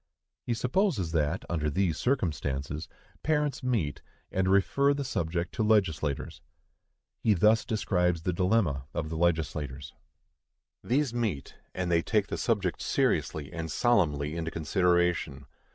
He supposes that, under these circumstances, parents meet and refer the subject to legislators. He thus describes the dilemma of the legislators: These meet, and they take the subject seriously and solemnly into consideration.